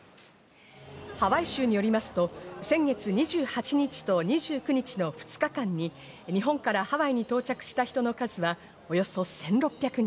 ハワイ州によりますと先月２８日と２９日の２日間に日本からハワイに到着した人の数はおよそ１６００人。